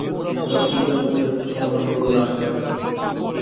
আগামী সপ্তাহের মধ্যে একটা সমাধান হবে বলে আশা করেন তিনি।